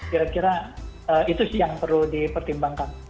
kira kira itu sih yang perlu dipertimbangkan